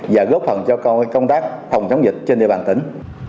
và góp phần cho công tác phòng chống dịch trên địa bàn tỉnh